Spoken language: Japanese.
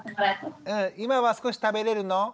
今は少し食べれるの？